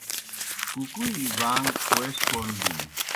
کُکُویں باݩگ کوئے سہ کوْݨ دِینوْ